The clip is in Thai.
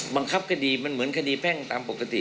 บังคับคดีมันเหมือนคดีแพ่งตามปกติ